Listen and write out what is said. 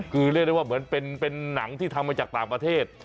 คือเรียกได้ว่าเหมือนเป็นหนังที่ทำมาจากต่างประเทศ